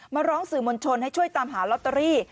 มาร้องสื่อมวลชนให้ช่วยตามหาลอตเตอรี่